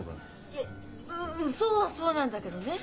いやそうはそうなんだけどね。